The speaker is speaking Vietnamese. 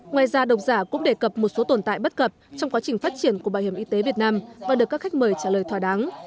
ngoài ra độc giả cũng đề cập một số tồn tại bất cập trong quá trình phát triển của bảo hiểm y tế việt nam và được các khách mời trả lời thỏa đáng